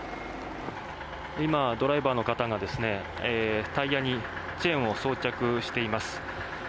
今、ドライバーの方が、タイヤにチェーンを装着しています。